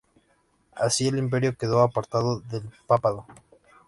Así el imperio quedó ‘apartado’ del papado.